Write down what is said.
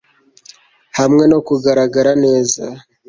Hamwe no kugaragara neza